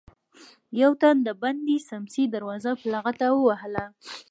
يو تن د بندې سمڅې دروازه په لغته ووهله.